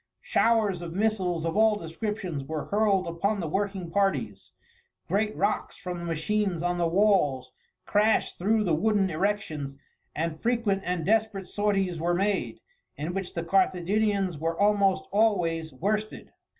Showers of missiles of all descriptions were hurled upon the working parties, great rocks from the machines on the walls crashed through the wooden erections, and frequent and desperate sorties were made, in which the Carthaginians were almost always worsted.